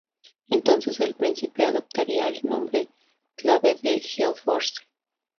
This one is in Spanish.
Entonces el príncipe adoptaría el nombre clave de "Geo-Force".